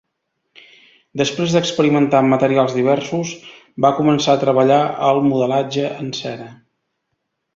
Després d'experimentar amb materials diversos, va començar a treballar el modelatge en cera.